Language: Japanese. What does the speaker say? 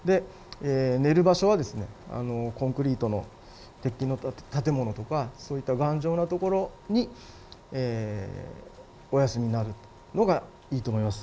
寝る場所はコンクリートの鉄筋の建物とか頑丈なところにお休みになるのがいいと思います。